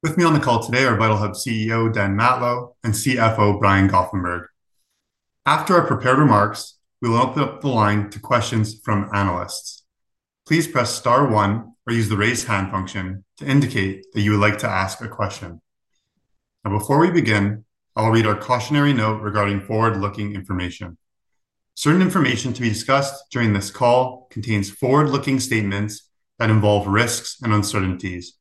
With me on the call today are Vitalhub CEO Dan Matlow and CFO Brian Goffenberg. After our prepared remarks, we will open up the line to questions from analysts. Please press star one or use the raise hand function to indicate that you would like to ask a question. Now, before we begin, I'll read our cautionary note regarding forward-looking information. Certain information to be discussed during this call contains forward-looking statements that involve risks and uncertainties.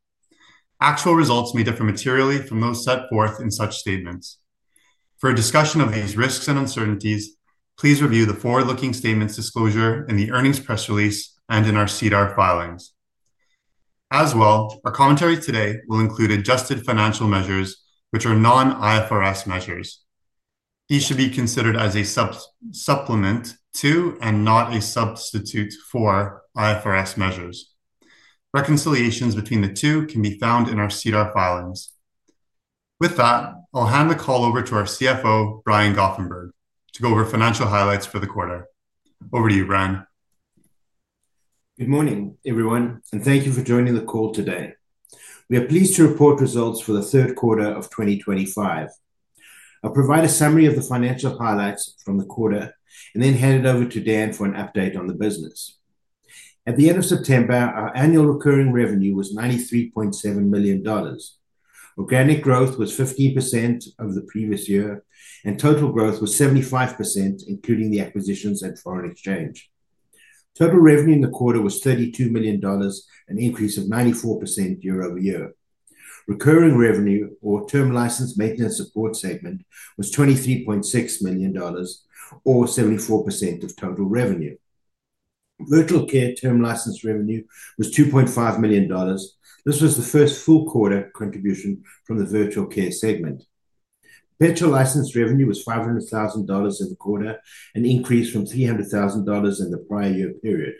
Actual results may differ materially from those set forth in such statements. For a discussion of these risks and uncertainties, please review the forward-looking statements disclosure in the earnings press release and in our CDR filings. As well, our commentary today will include adjusted financial measures, which are non-IFRS measures. These should be considered as a supplement to and not a substitute for IFRS measures. Reconciliations between the two can be found in our CDR filings. With that, I'll hand the call over to our CFO, Brian Goffenberg, to go over financial highlights for the quarter. Over to you, Brian. Good morning, everyone, and thank you for joining the call today. We are pleased to report results for the third quarter of 2025. I'll provide a summary of the financial highlights from the quarter and then hand it over to Dan for an update on the business. At the end of September, our annual recurring revenue was 93.7 million dollars. Organic growth was 15% over the previous year, and total growth was 75%, including the acquisitions and foreign exchange. Total revenue in the quarter was 32 million dollars, an increase of 94% year over year. Recurring revenue, or term license maintenance support segment, was 23.6 million dollars, or 74% of total revenue. Virtual care term license revenue was 2.5 million dollars. This was the first full quarter contribution from the virtual care segment. Petrol license revenue was 500,000 dollars in the quarter, an increase from 300,000 dollars in the prior year period.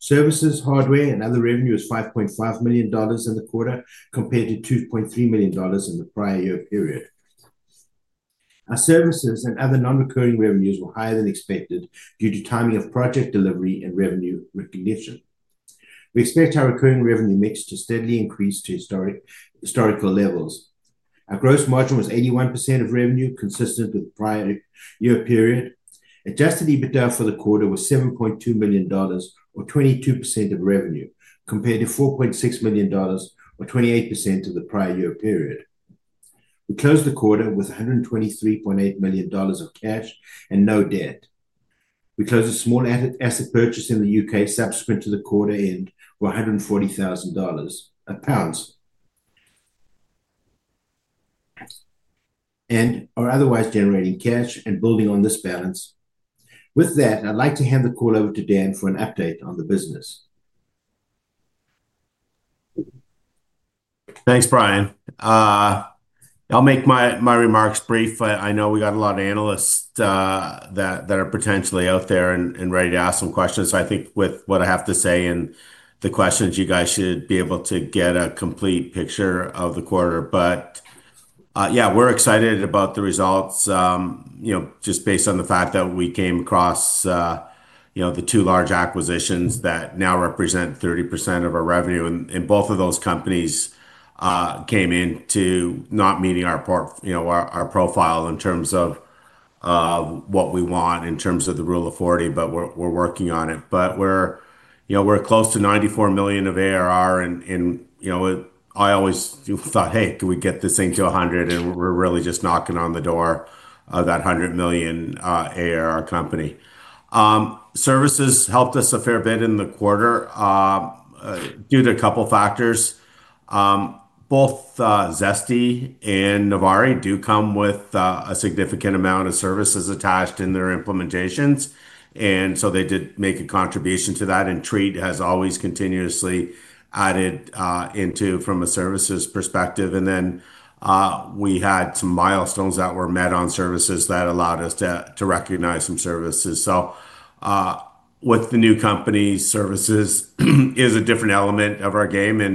Services, hardware, and other revenue was 5.5 million dollars in the quarter, compared to 2.3 million dollars in the prior year period. Our services and other non-recurring revenues were higher than expected due to timing of project delivery and revenue recognition. We expect our recurring revenue mix to steadily increase to historical levels. Our gross margin was 81% of revenue, consistent with the prior year period. Adjusted EBITDA for the quarter was 7.2 million dollars, or 22% of revenue, compared to 4.6 million dollars, or 28% of the prior year period. We closed the quarter with 123.8 million dollars of cash and no debt. We closed a small asset purchase in the U.K. subsequent to the quarter end for CAD 140,000 and are otherwise generating cash and building on this balance. With that, I'd like to hand the call over to Dan for an update on the business. Thanks, Brian. I'll make my remarks brief. I know we got a lot of analysts that are potentially out there and ready to ask some questions. I think with what I have to say and the questions, you guys should be able to get a complete picture of the quarter. Yeah, we're excited about the results, just based on the fact that we came across the two large acquisitions that now represent 30% of our revenue. Both of those companies came into not meeting our profile in terms of what we want, in terms of the rule of 40, but we're working on it. We're close to 94 million of ARR. I always thought, "Hey, can we get this thing to 100 million?" We're really just knocking on the door of that 100 million ARR company. Services helped us a fair bit in the quarter due to a couple of factors. Both Zesty and Novari do come with a significant amount of services attached in their implementations. They did make a contribution to that. TREAT has always continuously added into from a services perspective. We had some milestones that were met on services that allowed us to recognize some services. With the new company, services is a different element of our game. We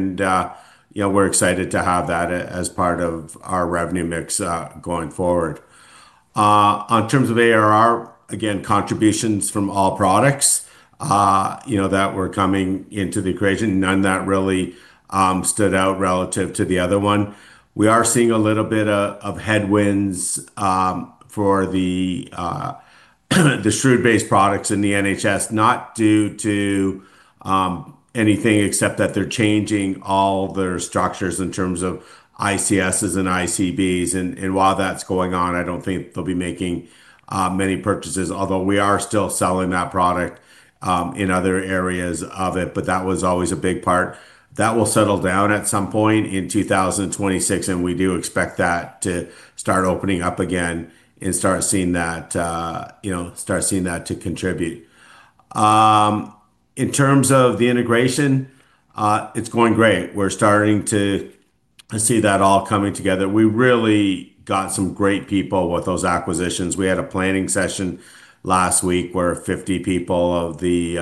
are excited to have that as part of our revenue mix going forward. In terms of ARR, again, contributions from all products that were coming into the equation, none that really stood out relative to the other one. We are seeing a little bit of headwinds for the SHREWD-based products in the NHS, not due to anything except that they're changing all their structures in terms of ICSs and ICBs. While that's going on, I don't think they'll be making many purchases, although we are still selling that product in other areas of it. That was always a big part. That will settle down at some point in 2026. We do expect that to start opening up again and start seeing that, start seeing that to contribute. In terms of the integration, it's going great. We're starting to see that all coming together. We really got some great people with those acquisitions. We had a planning session last week where 50 people of the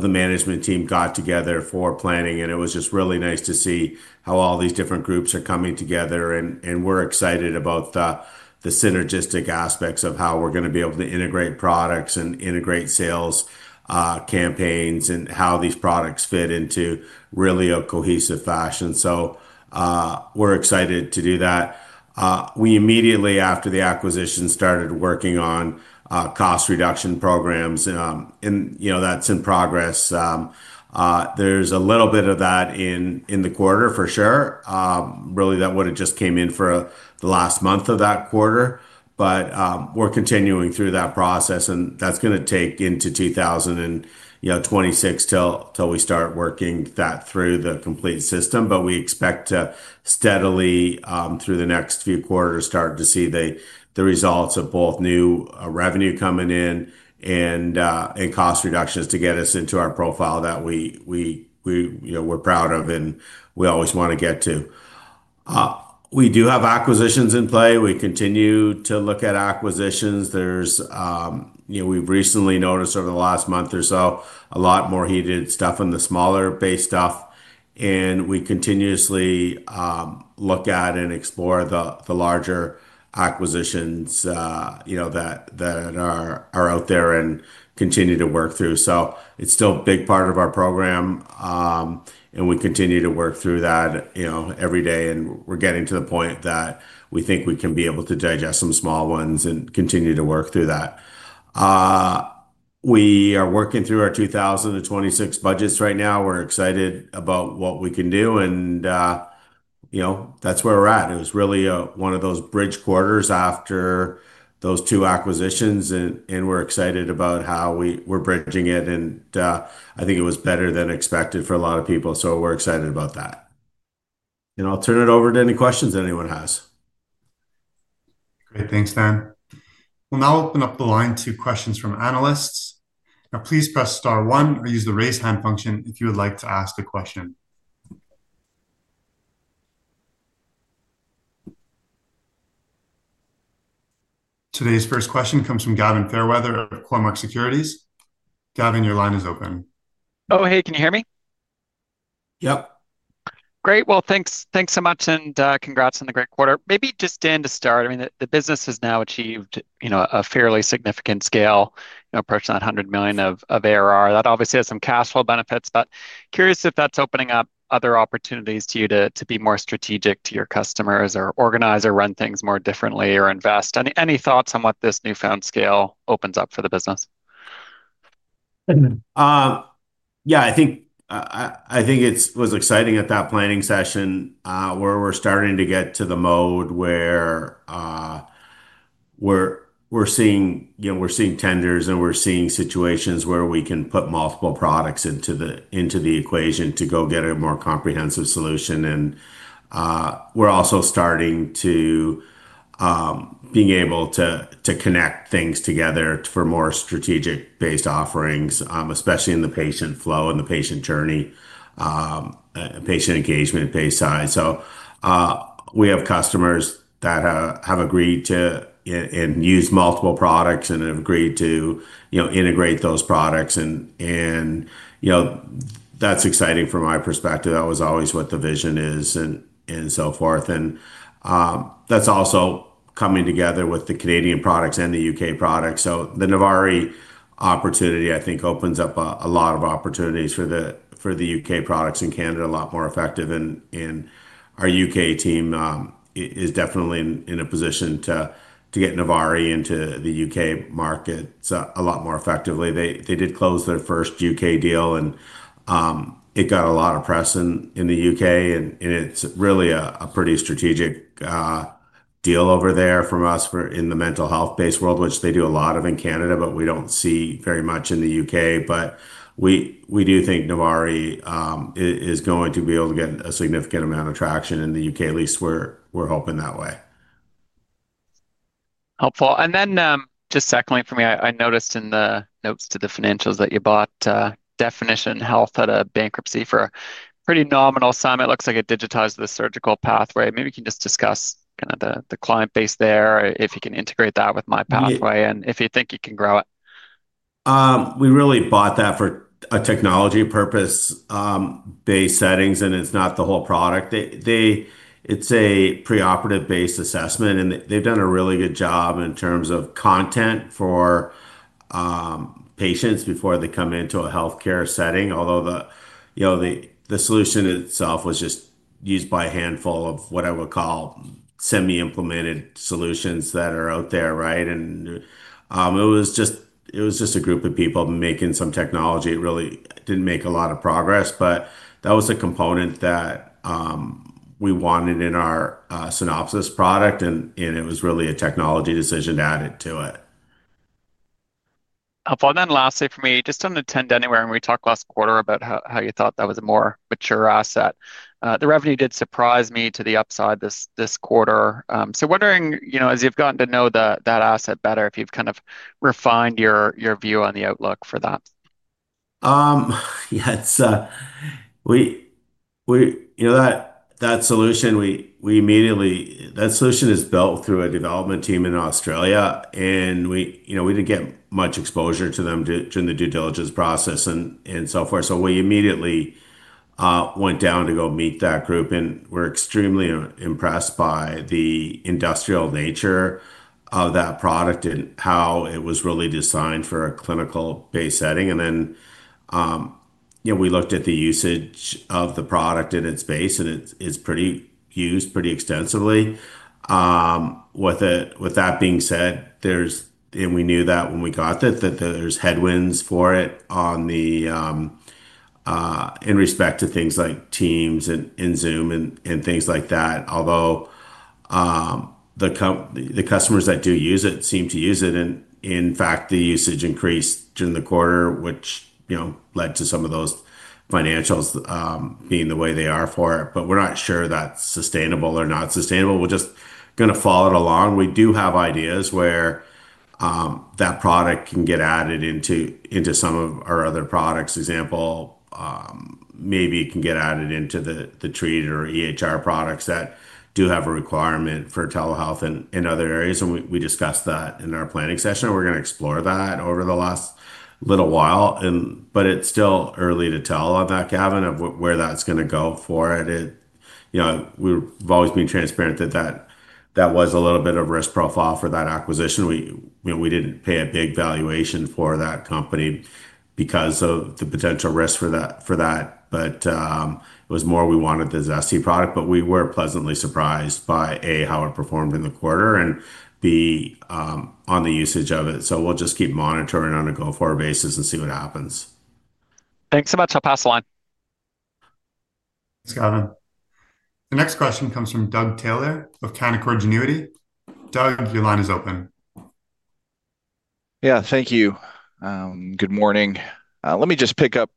management team got together for planning. It was just really nice to see how all these different groups are coming together. We're excited about the synergistic aspects of how we're going to be able to integrate products and integrate sales campaigns and how these products fit into really a cohesive fashion. We're excited to do that. We immediately after the acquisition started working on cost reduction programs. That's in progress. There's a little bit of that in the quarter, for sure. Really, that would have just come in for the last month of that quarter. We're continuing through that process. That's going to take into 2026 until we start working that through the complete system. We expect to steadily, through the next few quarters, start to see the results of both new revenue coming in and cost reductions to get us into our profile that we're proud of and we always want to get to. We do have acquisitions in play. We continue to look at acquisitions. We've recently noticed over the last month or so, a lot more heated stuff in the smaller-based stuff. We continuously look at and explore the larger acquisitions that are out there and continue to work through. It is still a big part of our program. We continue to work through that every day. We're getting to the point that we think we can be able to digest some small ones and continue to work through that. We are working through our 2026 budgets right now. We're excited about what we can do. That is where we are at. It was really one of those bridge quarters after those two acquisitions. We are excited about how we are bridging it. I think it was better than expected for a lot of people. We are excited about that. I will turn it over to any questions anyone has. Great. Thanks, Dan. We'll now open up the line to questions from analysts. Now, please press star one or use the raise hand function if you would like to ask a question. Today's first question comes from Gavin Fairweather of Cormark Securities. Gavin, your line is open. Oh, hey, can you hear me? Yep. Great. Thanks so much. Congrats on the great quarter. Maybe just, Dan, to start, I mean, the business has now achieved a fairly significant scale, approaching that 100 million of ARR. That obviously has some cash flow benefits. Curious if that's opening up other opportunities to you to be more strategic to your customers or organize or run things more differently or invest. Any thoughts on what this newfound scale opens up for the business? Yeah, I think it was exciting at that planning session where we're starting to get to the mode where we're seeing tenders and we're seeing situations where we can put multiple products into the equation to go get a more comprehensive solution. We're also starting to being able to connect things together for more strategic-based offerings, especially in the patient flow and the patient journey, patient engagement-based side. We have customers that have agreed to and use multiple products and have agreed to integrate those products. That's exciting from my perspective. That was always what the vision is and so forth. That's also coming together with the Canadian products and the U.K. products. The Novari opportunity, I think, opens up a lot of opportunities for the U.K. products in Canada, a lot more effective. Our U.K. team is definitely in a position to get Novari into the U.K. market a lot more effectively. They did close their first U.K. deal, and it got a lot of press in the U.K. It is really a pretty strategic deal over there from us in the mental health-based world, which they do a lot of in Canada, but we do not see very much in the U.K. We do think Novari is going to be able to get a significant amount of traction in the U.K., at least we are hoping that way. Helpful. Just secondly for me, I noticed in the notes to the financials that you bought Definition Health at a bankruptcy for a pretty nominal sum. It looks like it digitized the surgical pathway. Maybe you can just discuss kind of the client base there, if you can integrate that with my pathway, and if you think you can grow it. We really bought that for a technology purpose-based settings, and it's not the whole product. It's a pre-operative-based assessment. They've done a really good job in terms of content for patients before they come into a healthcare setting, although the solution itself was just used by a handful of what I would call semi-implemented solutions that are out there, right? It was just a group of people making some technology. It really didn't make a lot of progress, but that was a component that we wanted in our Synopsis product. It was really a technology decision to add it to it. Helpful. Lastly for me, just on the Attend Anywhere, when we talked last quarter about how you thought that was a more mature asset, the revenue did surprise me to the upside this quarter. Wondering, as you've gotten to know that asset better, if you've kind of refined your view on the outlook for that. Yeah, that solution, we immediately, that solution is built through a development team in Australia. We did not get much exposure to them during the due diligence process and so forth. We immediately went down to go meet that group. We were extremely impressed by the industrial nature of that product and how it was really designed for a clinical-based setting. We looked at the usage of the product in its base, and it is used pretty extensively. With that being said, we knew that when we got it, there are headwinds for it in respect to things like Teams and Zoom and things like that, although the customers that do use it seem to use it. In fact, the usage increased during the quarter, which led to some of those financials being the way they are for it. We're not sure that's sustainable or not sustainable. We're just going to follow it along. We do have ideas where that product can get added into some of our other products. Example, maybe it can get added into the TREAT or EHR products that do have a requirement for telehealth and other areas. We discussed that in our planning session. We're going to explore that over the last little while. It's still early to tell on that, Gavin, of where that's going to go for it. We've always been transparent that that was a little bit of risk profile for that acquisition. We didn't pay a big valuation for that company because of the potential risk for that. It was more we wanted the Zesty product. We were pleasantly surprised by, A, how it performed in the quarter, and, B, on the usage of it. We'll just keep monitoring on a go-forward basis and see what happens. Thanks so much. I'll pass the line. Thanks, Gavin. The next question comes from Doug Taylor of Canaccord Genuity. Doug, your line is open. Yeah, thank you. Good morning. Let me just pick up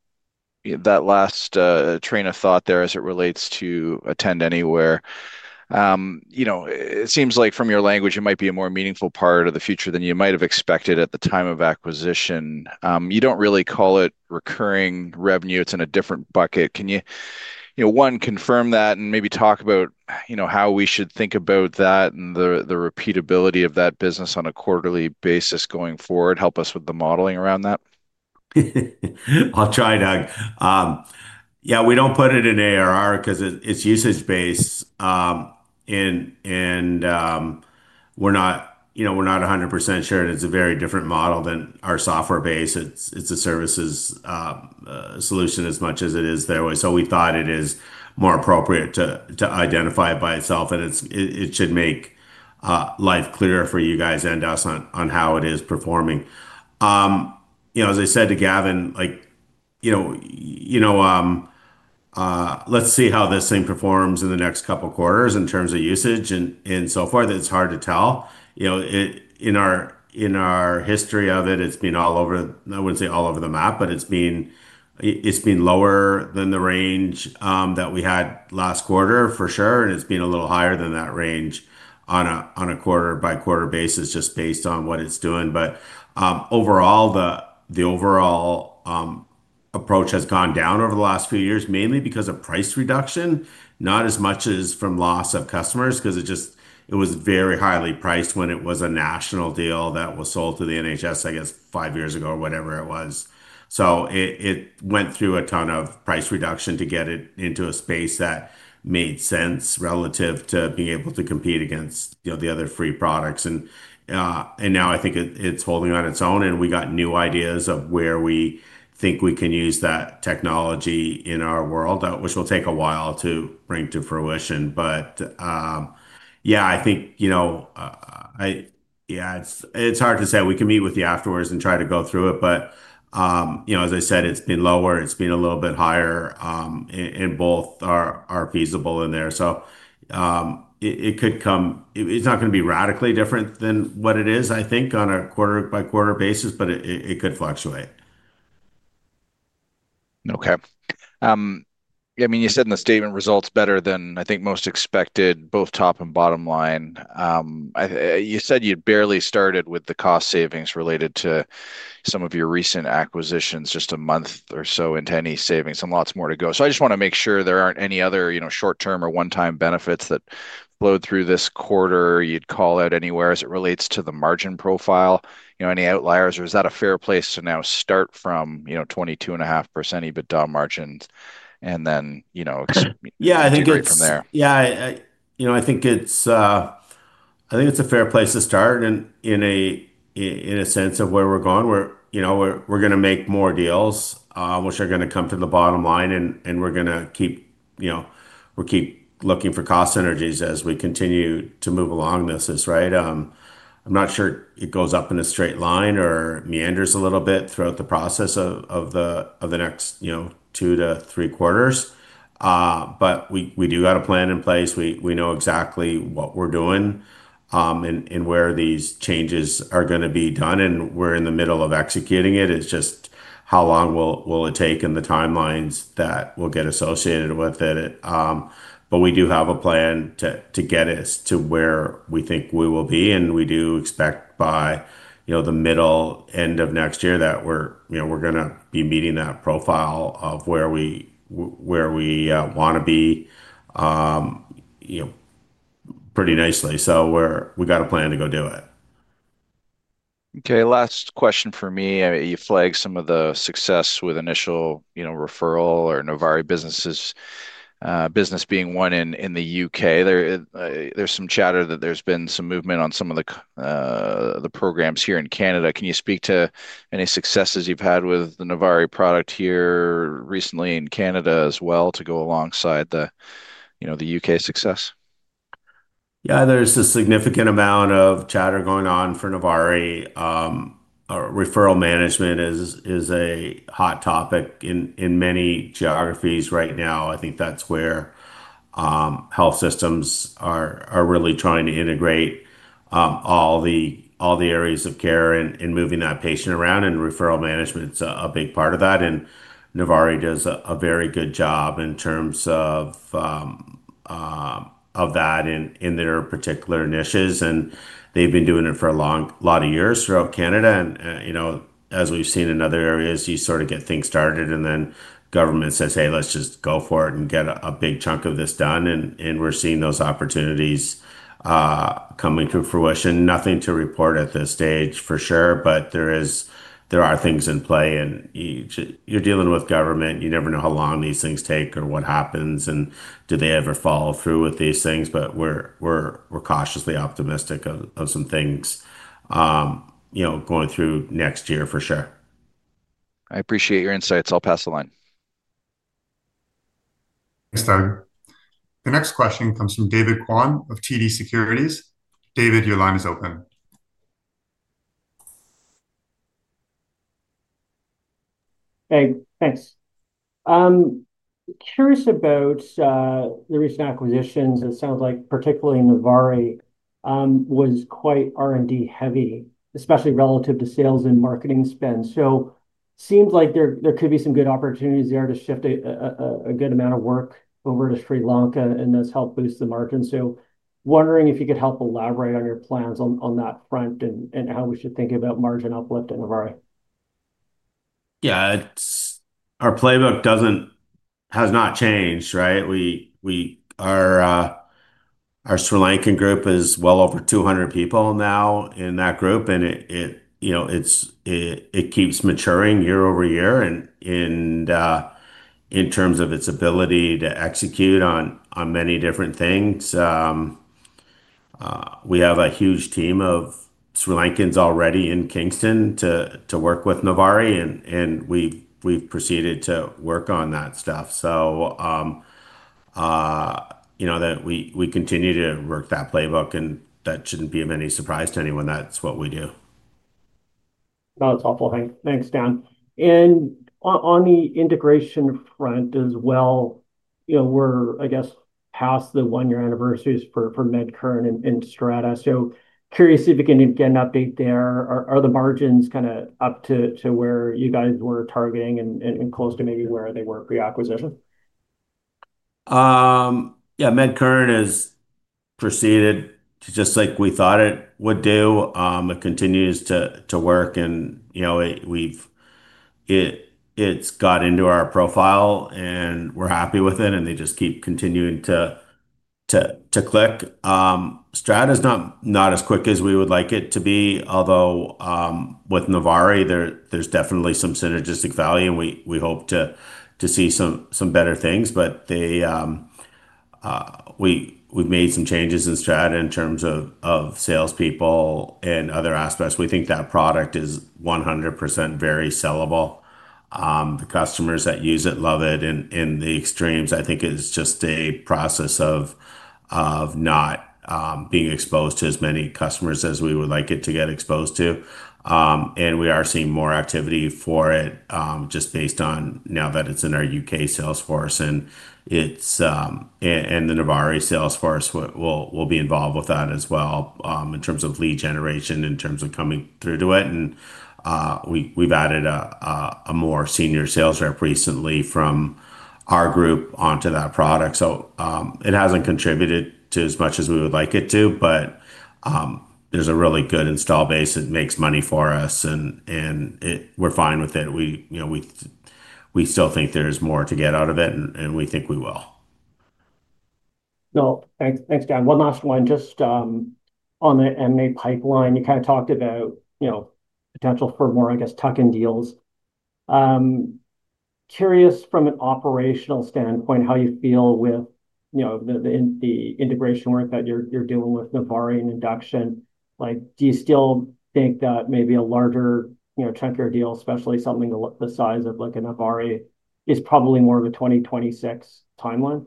that last train of thought there as it relates to Attend Anywhere. It seems like from your language, it might be a more meaningful part of the future than you might have expected at the time of acquisition. You do not really call it recurring revenue. It is in a different bucket. Can you, one, confirm that and maybe talk about how we should think about that and the repeatability of that business on a quarterly basis going forward? Help us with the modeling around that. I'll try, Doug. Yeah, we don't put it in ARR because it's usage-based. We're not 100% sure; it's a very different model than our software-based. It's a services solution as much as it is there. We thought it is more appropriate to identify it by itself. It should make life clearer for you guys and us on how it is performing. As I said to Gavin, let's see how this thing performs in the next couple of quarters in terms of usage and so forth. It's hard to tell. In our history of it, it's been all over the—I wouldn't say all over the map, but it's been lower than the range that we had last quarter, for sure. It's been a little higher than that range on a quarter-by-quarter basis just based on what it's doing. Overall, the overall approach has gone down over the last few years, mainly because of price reduction, not as much as from loss of customers because it was very highly priced when it was a national deal that was sold to the NHS, I guess, five years ago or whatever it was. It went through a ton of price reduction to get it into a space that made sense relative to being able to compete against the other free products. Now I think it's holding on its own. We got new ideas of where we think we can use that technology in our world, which will take a while to bring to fruition. Yeah, I think, yeah, it's hard to say. We can meet with you afterwards and try to go through it. As I said, it's been lower. It's been a little bit higher. Both are feasible in there. It could come—it is not going to be radically different than what it is, I think, on a quarter-by-quarter basis, but it could fluctuate. Okay. I mean, you said in the statement, "Results better than I think most expected, both top and bottom line." You said you'd barely started with the cost savings related to some of your recent acquisitions, just a month or so into any savings. And lots more to go. I just want to make sure there aren't any other short-term or one-time benefits that flowed through this quarter you'd call out anywhere as it relates to the margin profile. Any outliers, or is that a fair place to now start from 22.5% EBITDA margins and then break from there? Yeah, I think it's—yeah, I think it's a fair place to start in a sense of where we're going. We're going to make more deals, which are going to come to the bottom line. We're going to keep—we'll keep looking for cost synergies as we continue to move along this, right? I'm not sure it goes up in a straight line or meanders a little bit throughout the process of the next two to three quarters. We do have a plan in place. We know exactly what we're doing and where these changes are going to be done. We're in the middle of executing it. It's just how long will it take and the timelines that will get associated with it. We do have a plan to get us to where we think we will be. We do expect by the middle, end of next year that we're going to be meeting that profile of where we want to be pretty nicely. We have a plan to go do it. Okay. Last question for me. You flagged some of the success with initial referral or Novari business's business being one in the U.K. There's some chatter that there's been some movement on some of the programs here in Canada. Can you speak to any successes you've had with the Novari product here recently in Canada as well to go alongside the U.K. success? Yeah, there's a significant amount of chatter going on for Novari. Referral management is a hot topic in many geographies right now. I think that's where health systems are really trying to integrate all the areas of care and moving that patient around. Referral management's a big part of that. Novari does a very good job in terms of that in their particular niches. They've been doing it for a lot of years throughout Canada. As we've seen in other areas, you sort of get things started, and then government says, "Hey, let's just go for it and get a big chunk of this done." We're seeing those opportunities coming to fruition. Nothing to report at this stage, for sure, but there are things in play. You're dealing with government. You never know how long these things take or what happens, and do they ever follow through with these things. We're cautiously optimistic of some things going through next year, for sure. I appreciate your insights. I'll pass the line. Thanks, Doug. The next question comes from David Kwan of TD Securities. David, your line is open. Hey, thanks. Curious about the recent acquisitions. It sounds like particularly Novari was quite R&D-heavy, especially relative to sales and marketing spend. It seems like there could be some good opportunities there to shift a good amount of work over to Sri Lanka and thus help boost the margin. Wondering if you could help elaborate on your plans on that front and how we should think about margin uplift in Novari. Yeah, our playbook has not changed, right? Our Sri Lankan group is well over 200 people now in that group. It keeps maturing year over year in terms of its ability to execute on many different things. We have a huge team of Sri Lankans already in Kingston to work with Novari. We have proceeded to work on that stuff. We continue to work that playbook, and that should not be of any surprise to anyone. That is what we do. That's helpful. Thanks, Dan. On the integration front as well, we're, I guess, past the one-year anniversaries for MedCurrent and Strata. Curious if you can get an update there. Are the margins kind of up to where you guys were targeting and close to maybe where they were pre-acquisition? Yeah, MedCurrent has proceeded just like we thought it would do. It continues to work. It has got into our profile, and we're happy with it. They just keep continuing to click. Strata is not as quick as we would like it to be, although with Novari, there's definitely some synergistic value. We hope to see some better things. We have made some changes in Strata in terms of salespeople and other aspects. We think that product is 100% very sellable. The customers that use it love it. In the extremes, I think it's just a process of not being exposed to as many customers as we would like it to get exposed to. We are seeing more activity for it just based on now that it's in our U.K. Salesforce. The Novari Salesforce will be involved with that as well in terms of lead generation, in terms of coming through to it. We have added a more senior sales rep recently from our group onto that product. It has not contributed to as much as we would like it to, but there is a really good install base. It makes money for us, and we are fine with it. We still think there is more to get out of it, and we think we will. No. Thanks, Dan. One last one. Just on the M&A pipeline, you kind of talked about potential for more, I guess, tuck-in deals. Curious from an operational standpoint, how you feel with the integration work that you're doing with Novari and Induction. Do you still think that maybe a larger chunkier deal, especially something the size of a Novari, is probably more of a 2026 timeline?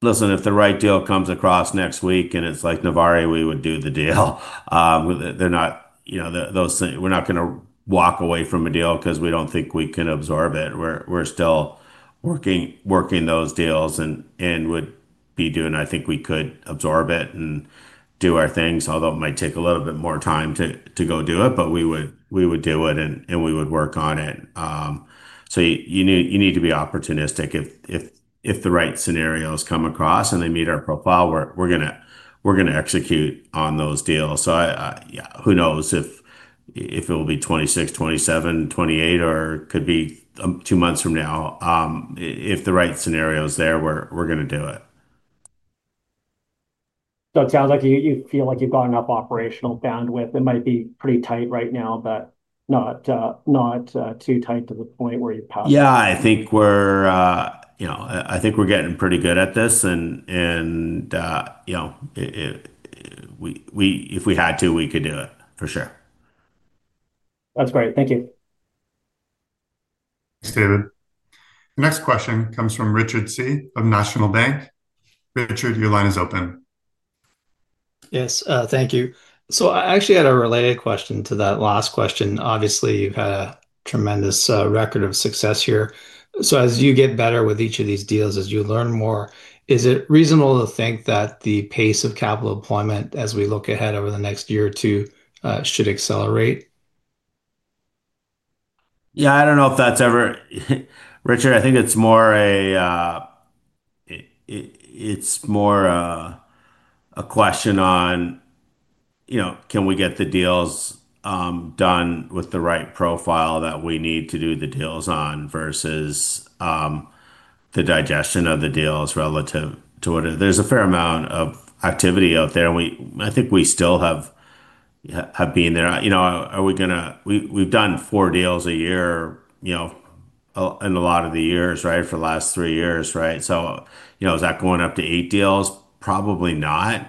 Listen, if the right deal comes across next week and it's like Novari, we would do the deal. We're not going to walk away from a deal because we don't think we can absorb it. We're still working those deals and would be doing—I think we could absorb it and do our things, although it might take a little bit more time to go do it. We would do it, and we would work on it. You need to be opportunistic. If the right scenarios come across and they meet our profile, we're going to execute on those deals. Who knows if it will be 2026, 2027, 2028, or could be two months from now. If the right scenario is there, we're going to do it. It sounds like you feel like you've got enough operational bandwidth. It might be pretty tight right now, but not too tight to the point where you pass. Yeah, I think we're—I think we're getting pretty good at this. If we had to, we could do it, for sure. That's great. Thank you. Thanks, David. Next question comes from Richard C of National Bank. Richard, your line is open. Yes, thank you. I actually had a related question to that last question. Obviously, you've had a tremendous record of success here. As you get better with each of these deals, as you learn more, is it reasonable to think that the pace of capital deployment as we look ahead over the next year or two should accelerate? Yeah, I do not know if that is ever—Richard, I think it is more a question on, can we get the deals done with the right profile that we need to do the deals on versus the digestion of the deals relative to what it—there is a fair amount of activity out there. I think we still have been there. Are we going to—we have done four deals a year in a lot of the years, right, for the last three years, right? Is that going up to eight deals? Probably not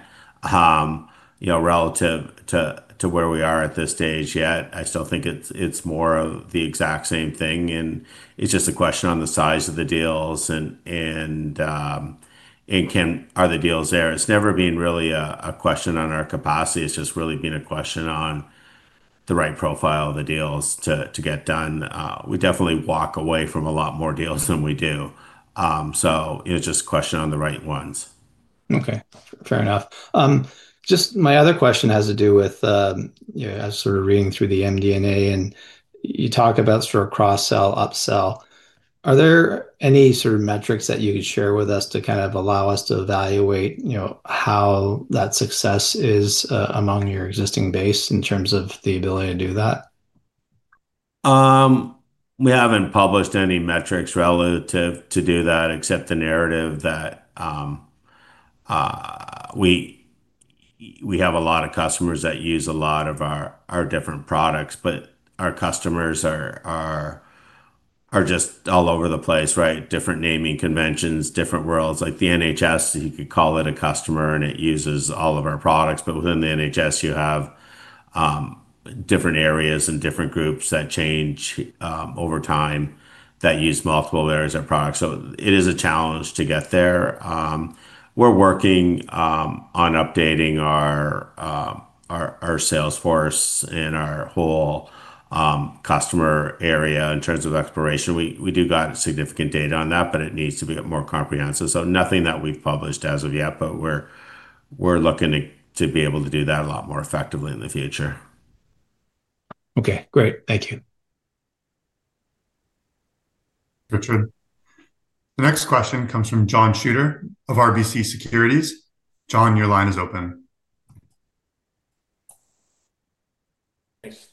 relative to where we are at this stage yet. I still think it is more of the exact same thing. It is just a question on the size of the deals and are the deals there. It has never been really a question on our capacity. It has just really been a question on the right profile of the deals to get done. We definitely walk away from a lot more deals than we do. It is just a question on the right ones. Okay. Fair enough. Just my other question has to do with—I was sort of reading through the MD&A, and you talk about sort of cross-sell, upsell. Are there any sort of metrics that you could share with us to kind of allow us to evaluate how that success is among your existing base in terms of the ability to do that? We haven't published any metrics relative to do that except the narrative that we have a lot of customers that use a lot of our different products. But our customers are just all over the place, right? Different naming conventions, different worlds. The NHS, you could call it a customer, and it uses all of our products. Within the NHS, you have different areas and different groups that change over time that use multiple areas of product. It is a challenge to get there. We're working on updating our Salesforce and our whole customer area in terms of exploration. We do got significant data on that, but it needs to be more comprehensive. Nothing that we've published as of yet, but we're looking to be able to do that a lot more effectively in the future. Okay. Great. Thank you. Richard. The next question comes from John Shuter of RBC Securities. John, your line is open.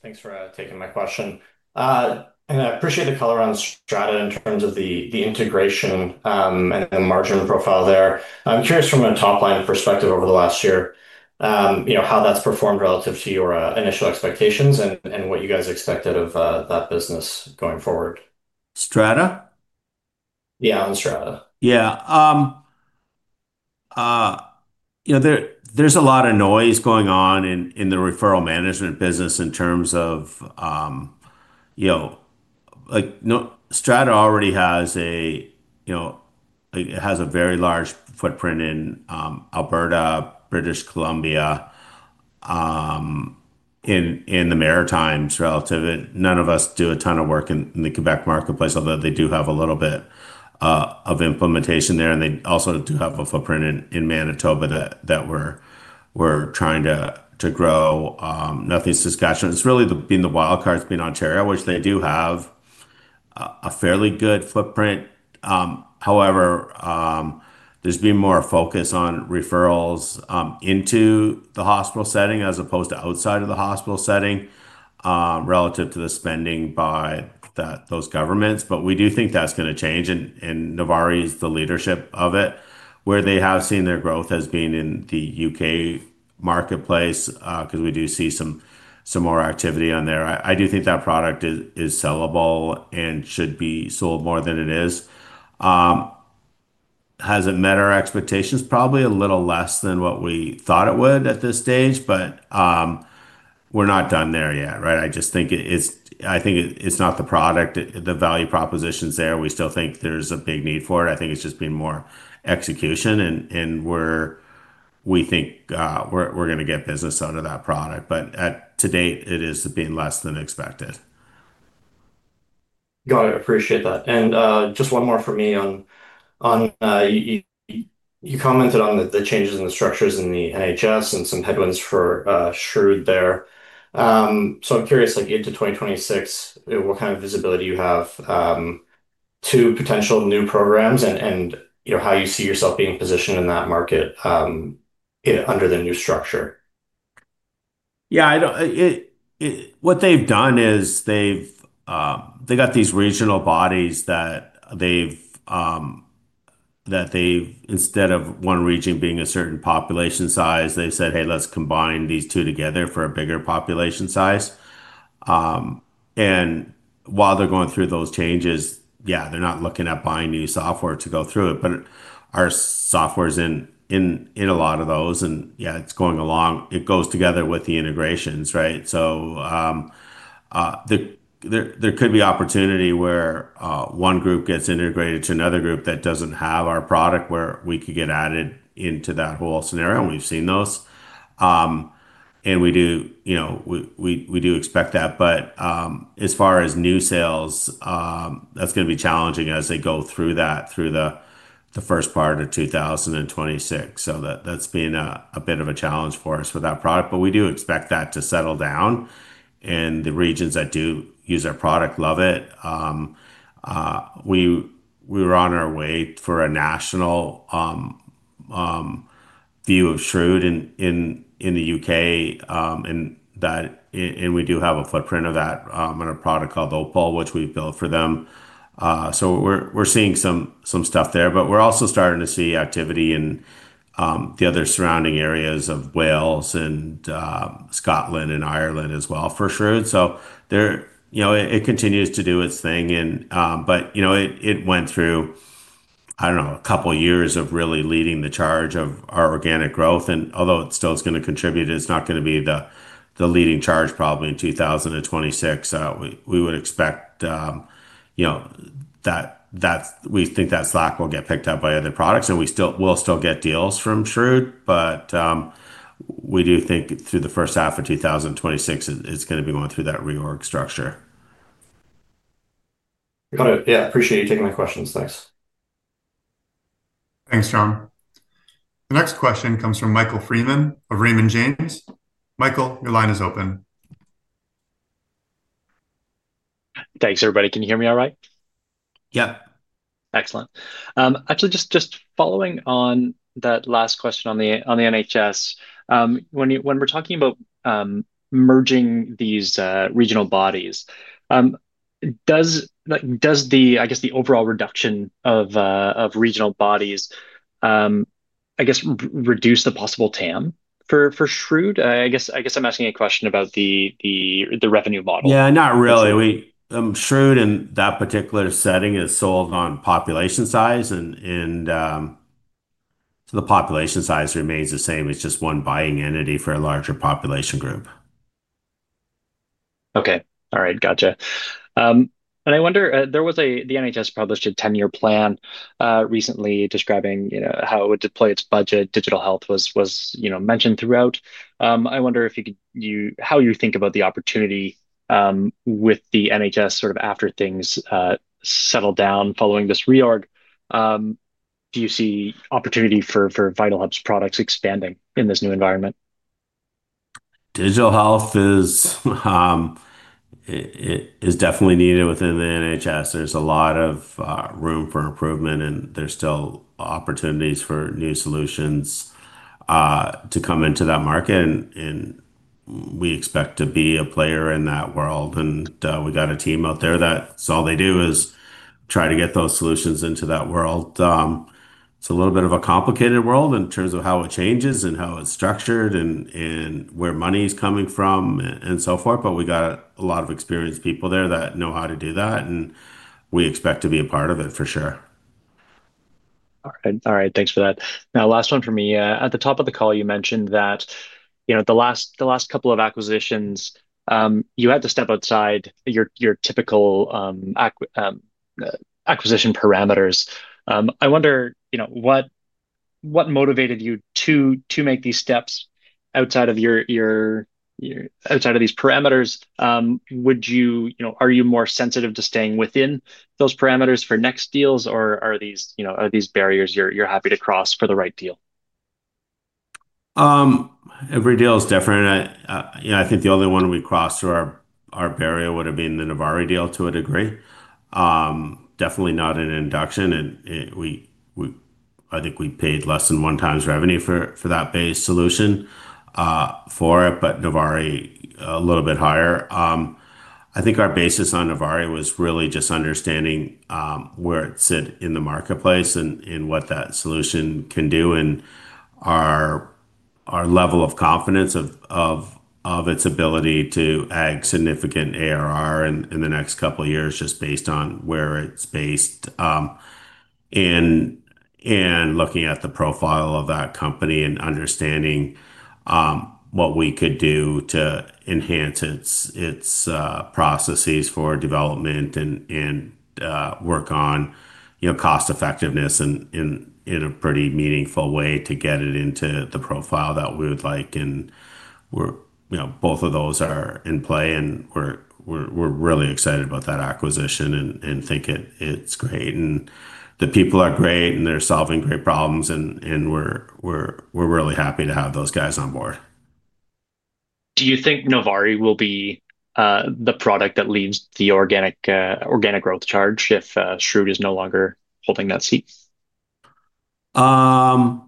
Thanks for taking my question. I appreciate the color on Strata in terms of the integration and the margin profile there. I'm curious from a top-line perspective over the last year how that's performed relative to your initial expectations and what you guys expected of that business going forward. Strata? Yeah, on Strata. Yeah. There's a lot of noise going on in the referral management business in terms of Strata already has a—it has a very large footprint in Alberta, British Columbia, and the Maritimes relative to it. None of us do a ton of work in the Quebec marketplace, although they do have a little bit of implementation there. They also do have a footprint in Manitoba that we're trying to grow. Nothing's discussion. It's really been the wildcard's been Ontario, which they do have a fairly good footprint. However, there's been more focus on referrals into the hospital setting as opposed to outside of the hospital setting relative to the spending by those governments. We do think that's going to change. Novari is the leadership of it, where they have seen their growth has been in the U.K. marketplace because we do see some more activity on there. I do think that product is sellable and should be sold more than it is. Has it met our expectations? Probably a little less than what we thought it would at this stage, but we're not done there yet, right? I just think it's—I think it's not the product, the value proposition is there. We still think there's a big need for it. I think it's just been more execution. We think we're going to get business out of that product. To date, it has been less than expected. Got it. Appreciate that. Just one more from me on you commented on the changes in the structures in the NHS and some headwinds for SHREWD there. I'm curious, into 2026, what kind of visibility you have to potential new programs and how you see yourself being positioned in that market under the new structure? Yeah. What they've done is they've got these regional bodies that they've—instead of one region being a certain population size, they've said, "Hey, let's combine these two together for a bigger population size." While they're going through those changes, yeah, they're not looking at buying new software to go through it. Our software's in a lot of those. Yeah, it's going along. It goes together with the integrations, right? There could be opportunity where one group gets integrated to another group that doesn't have our product where we could get added into that whole scenario. We've seen those. We do expect that. As far as new sales, that's going to be challenging as they go through that through the first part of 2026. That's been a bit of a challenge for us with that product. We do expect that to settle down. The regions that do use our product love it. We were on our way for a national view of SHREWD in the U.K. We do have a footprint of that on a product called Opal, which we built for them. We are seeing some stuff there. We are also starting to see activity in the other surrounding areas of Wales and Scotland and Ireland as well for SHREWD. It continues to do its thing. It went through, I do not know, a couple of years of really leading the charge of our organic growth. Although it is still going to contribute, it is not going to be the leading charge probably in 2026. We would expect that. We think that slack will get picked up by other products. We will still get deals from SHREWD. We do think through the first half of 2026, it's going to be going through that reorg structure. Got it. Yeah. Appreciate you taking my questions. Thanks. Thanks, John. The next question comes from Michael Freeman of Raymond James. Michael, your line is open. Thanks, everybody. Can you hear me all right? Yeah. Excellent. Actually, just following on that last question on the NHS, when we're talking about merging these regional bodies, does, I guess, the overall reduction of regional bodies, I guess, reduce the possible TAM for SHREWD? I guess I'm asking a question about the revenue model. Yeah, not really. SHREWD, in that particular setting, is sold on population size. And so the population size remains the same. It's just one buying entity for a larger population group. Okay. All right. Gotcha. I wonder, the NHS published a 10-year plan recently describing how it would deploy its budget. Digital health was mentioned throughout. I wonder how you think about the opportunity with the NHS sort of after things settle down following this reorg. Do you see opportunity for Vitalhub's products expanding in this new environment? Digital health is definitely needed within the NHS. There is a lot of room for improvement, and there are still opportunities for new solutions to come into that market. We expect to be a player in that world. We have a team out there that is all they do, try to get those solutions into that world. It is a little bit of a complicated world in terms of how it changes and how it is structured and where money is coming from and so forth. We have a lot of experienced people there that know how to do that. We expect to be a part of it for sure. All right. All right. Thanks for that. Now, last one for me. At the top of the call, you mentioned that the last couple of acquisitions, you had to step outside your typical acquisition parameters. I wonder what motivated you to make these steps outside of these parameters? Are you more sensitive to staying within those parameters for next deals, or are these barriers you're happy to cross for the right deal? Every deal is different. I think the only one we crossed through our barrier would have been the Novari deal to a degree. Definitely not an Induction. I think we paid less than one time's revenue for that base solution for it, but Novari a little bit higher. I think our basis on Novari was really just understanding where it sit in the marketplace and what that solution can do and our level of confidence of its ability to add significant ARR in the next couple of years just based on where it's based and looking at the profile of that company and understanding what we could do to enhance its processes for development and work on cost-effectiveness in a pretty meaningful way to get it into the profile that we would like. Both of those are in play. We're really excited about that acquisition and think it's great. The people are great, and they're solving great problems. We're really happy to have those guys on board. Do you think Novari will be the product that leads the organic growth charge if SHREWD is no longer holding that seat? Yeah,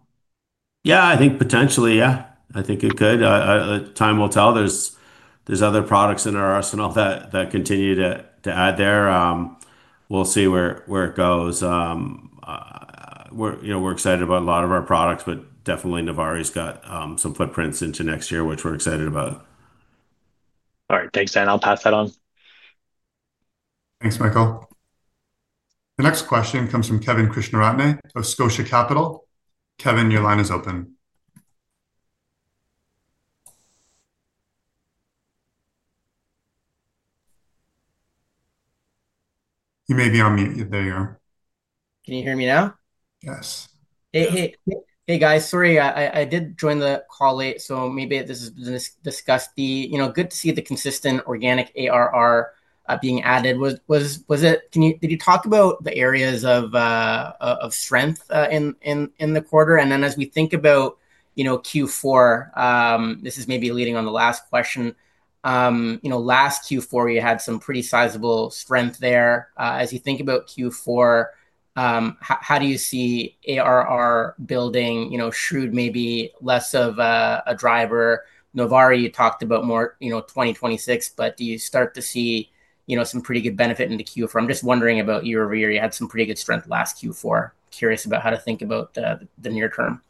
I think potentially, yeah. I think it could. Time will tell. There are other products in our arsenal that continue to add there. We'll see where it goes. We're excited about a lot of our products, but definitely Novari's got some footprints into next year, which we're excited about. All right. Thanks, Dan. I'll pass that on. Thanks, Michael. The next question comes from Kevin Krishnaratne of Scotia Capital. Kevin, your line is open. You may be on mute there. Can you hear me now? Yes. Hey, guys. Sorry, I did join the call late, so maybe this was discussed. Good to see the consistent organic ARR being added. Did you talk about the areas of strength in the quarter? As we think about Q4, this is maybe leading on the last question. Last Q4, we had some pretty sizable strength there. As you think about Q4, how do you see ARR building? SHREWD maybe less of a driver. Novari, you talked about more 2026, but do you start to see some pretty good benefit in the Q4? I'm just wondering about your year. You had some pretty good strength last Q4. Curious about how to think about the near term.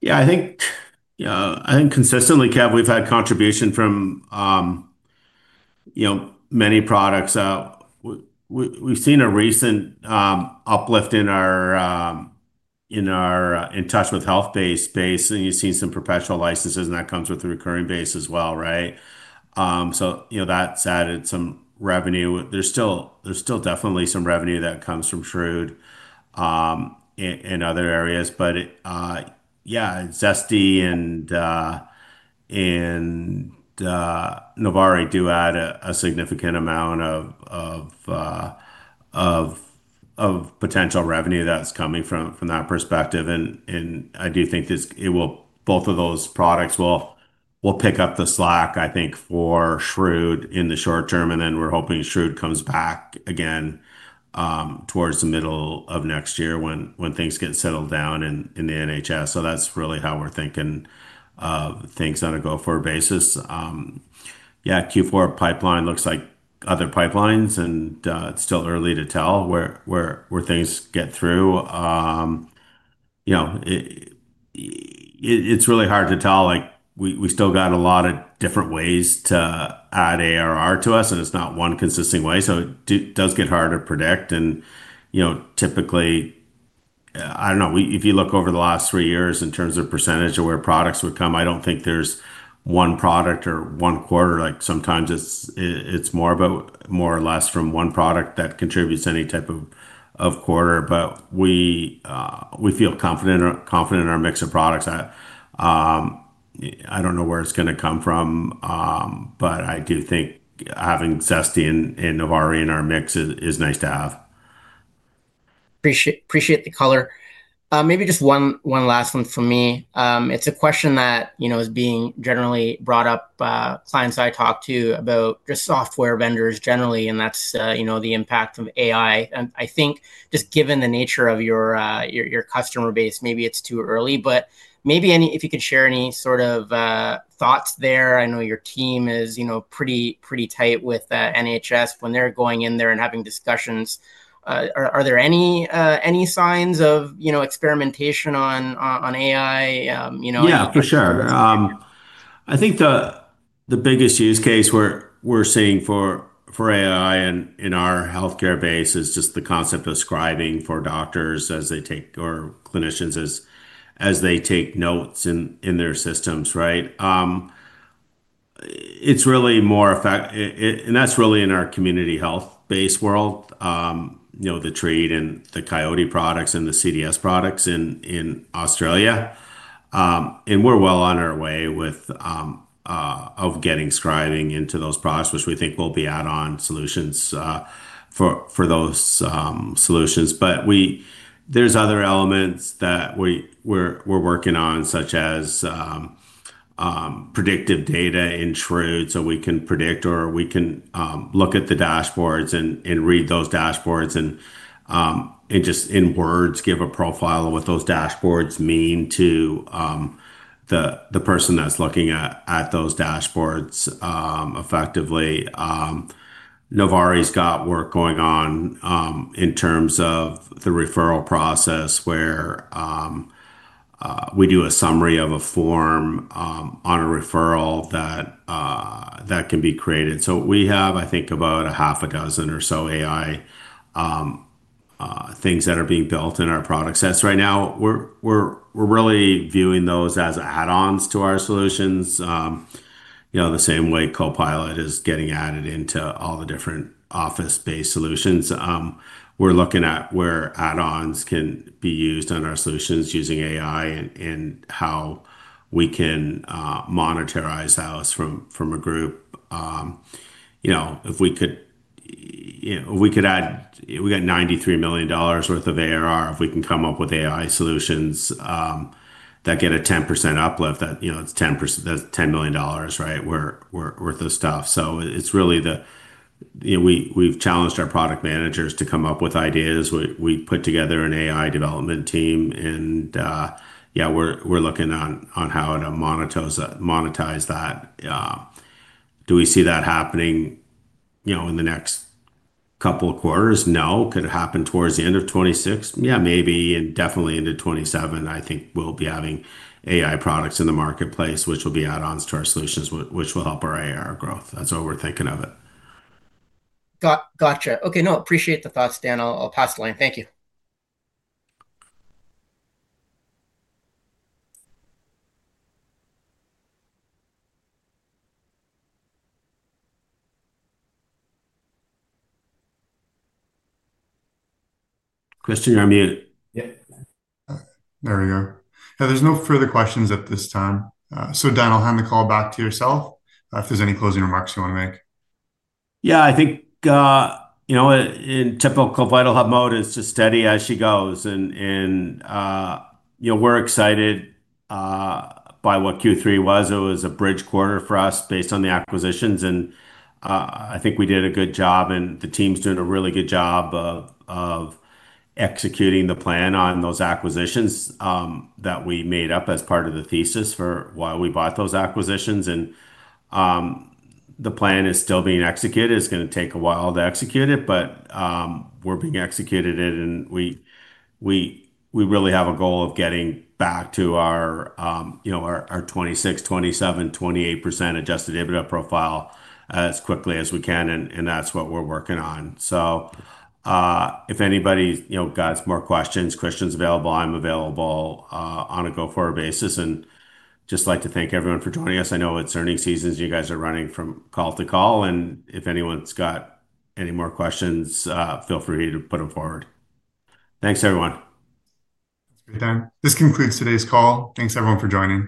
Yeah. I think consistently, Kev, we've had contribution from many products. We've seen a recent uplift in our In Touch with Health-based space, and you've seen some professional licenses, and that comes with the recurring base as well, right? So that's added some revenue. There's still definitely some revenue that comes from SHREWD in other areas. Yeah, Zesty and Novari do add a significant amount of potential revenue that's coming from that perspective. I do think both of those products will pick up the slack, I think, for SHREWD in the short term. We're hoping SHREWD comes back again towards the middle of next year when things get settled down in the NHS. That's really how we're thinking things on a go-forward basis. Q4 pipeline looks like other pipelines, and it's still early to tell where things get through. It's really hard to tell. We still got a lot of different ways to add ARR to us, and it's not one consistent way. It does get hard to predict. Typically, I don't know, if you look over the last three years in terms of percentage of where products would come, I don't think there's one product or one quarter. Sometimes it's more or less from one product that contributes to any type of quarter. We feel confident in our mix of products. I don't know where it's going to come from, but I do think having Zesty and Novari in our mix is nice to have. Appreciate the color. Maybe just one last one from me. It's a question that is being generally brought up by clients I talk to about just software vendors generally, and that's the impact of AI. I think just given the nature of your customer base, maybe it's too early. Maybe if you could share any sort of thoughts there. I know your team is pretty tight with NHS when they're going in there and having discussions. Are there any signs of experimentation on AI? Yeah, for sure. I think the biggest use case we're seeing for AI in our healthcare base is just the concept of scribing for doctors as they take or clinicians as they take notes in their systems, right? That's really in our community health-based world, the TREAT and the Coyote products and the CDS products in Australia. We're well on our way of getting scribing into those products, which we think will be add-on solutions for those solutions. There's other elements that we're working on, such as predictive data in SHREWD, so we can predict or we can look at the dashboards and read those dashboards and just in words give a profile of what those dashboards mean to the person that's looking at those dashboards effectively. Novari's got work going on in terms of the referral process where we do a summary of a form on a referral that can be created. So we have, I think, about half a dozen or so AI things that are being built in our products. Right now, we're really viewing those as add-ons to our solutions the same way Copilot is getting added into all the different office-based solutions. We're looking at where add-ons can be used on our solutions using AI and how we can monetize those from a group. If we could add, we got 93 million dollars worth of ARR, if we can come up with AI solutions that get a 10% uplift. That's 10 million dollars, right, worth of stuff. It's really the we've challenged our product managers to come up with ideas. We put together an AI development team. Yeah, we're looking on how to monetize that. Do we see that happening in the next couple of quarters? No. Could happen towards the end of 2026? Yeah, maybe. And definitely into 2027, I think we'll be having AI products in the marketplace, which will be add-ons to our solutions, which will help our ARR growth. That's how we're thinking of it. Gotcha. Okay. No, appreciate the thoughts, Dan. I'll pass the line. Thank you. Christian, you're on mute. Yeah. There we go. There are no further questions at this time. Dan, I'll hand the call back to yourself if there are any closing remarks you want to make. Yeah, I think in typical VitalHub mode, it's just steady as she goes. We're excited by what Q3 was. It was a bridge quarter for us based on the acquisitions. I think we did a good job, and the team's doing a really good job of executing the plan on those acquisitions that we made up as part of the thesis for why we bought those acquisitions. The plan is still being executed. It's going to take a while to execute it, but we're being executed it. We really have a goal of getting back to our 26%, 27%, 28% adjusted EBITDA profile as quickly as we can. That's what we're working on. If anybody got more questions, questions available, I'm available on a go-forward basis. I'd just like to thank everyone for joining us. I know it's earning seasons. You guys are running from call to call. If anyone's got any more questions, feel free to put them forward. Thanks, everyone. Thanks, Dan. This concludes today's call. Thanks, everyone, for joining.